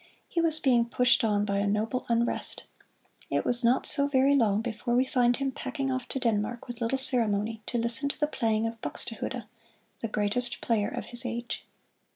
He was being pushed on by a noble unrest. It was not so very long before we find him packing off to Denmark, with little ceremony, to listen to the playing of Buxtehude, the greatest player of his age.